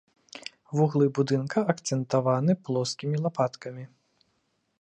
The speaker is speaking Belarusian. Вуглы будынка акцэнтаваны плоскімі лапаткамі.